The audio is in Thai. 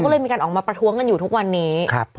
ก็เลยมีการออกมาประท้วงกันอยู่ทุกวันนี้